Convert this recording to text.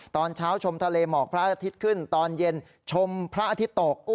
ตอนเช้าชมทะเลหมอกพระอาทิตย์ขึ้นตอนเย็นชมพระอาทิตย์ตก